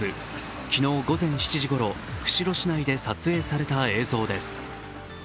昨日午前７時ごろ、釧路市内で撮影された映像です。